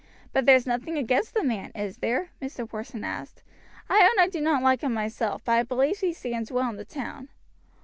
"But there's nothing against the man, is there?" Mr. Porson asked. "I own I do not like him myself; but I believe he stands well in the town."